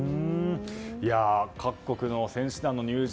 各国の選手団の入場